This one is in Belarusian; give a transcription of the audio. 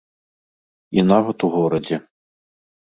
І нават у горадзе.